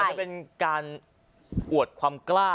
จะเป็นการอวดความกล้า